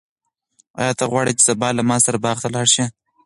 آیا ته غواړې چې سبا له ما سره باغ ته لاړ شې؟